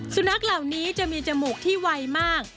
สุนัขเหล่านี้จะมีจมูกที่ไวมาก